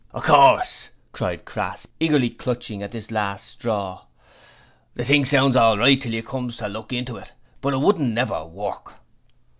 'Of course,' cried Crass, eagerly clutching at this last straw. 'The thing sounds all right till you comes to look into it, but it wouldn't never work!'